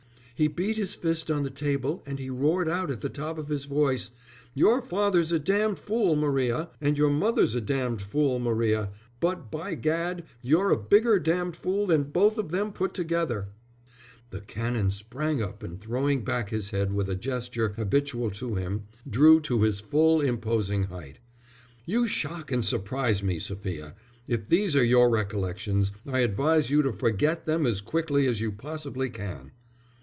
"He beat his fist on the table and he roared out at the top of his voice: 'Your father's a damned fool, Maria; and your mother's a damned fool, Maria; but, by gad, you're a bigger damned fool than both of them put together.'" The Canon sprang up and throwing back his head with a gesture habitual to him, drew to his full, imposing height. "You shock and surprise me, Sophia. If these are your recollections, I advise you to forget them as quickly as you possibly can."